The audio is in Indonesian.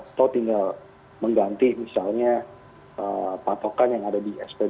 atau tinggal mengganti misalnya patokan yang ada di spb